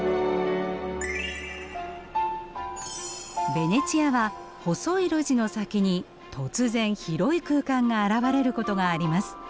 ベネチアは細い路地の先に突然広い空間が現れることがあります。